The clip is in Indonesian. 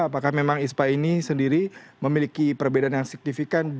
apakah memang ispa ini sendiri memiliki perbedaan yang signifikan